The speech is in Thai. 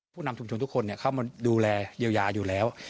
ผู้นำชุมชนทุกคนเข้ามาดูแลเยียวยาอยู่แล้ว